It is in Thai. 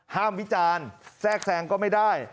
ห้ามวิจารแทรกแสงก็ไม่ได้